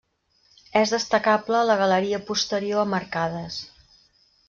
És destacable la galeria posterior amb arcades.